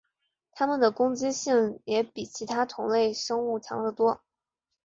它们的攻击性也比其他同类生物强得多。